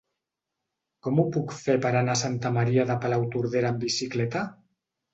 Com ho puc fer per anar a Santa Maria de Palautordera amb bicicleta?